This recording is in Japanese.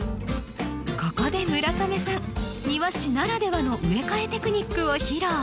ここで村雨さん庭師ならではの植え替えテクニックを披露。